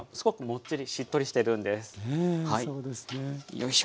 よいしょ。